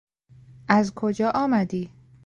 از کجا آمدی؟